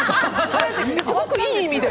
すごくいい意味で。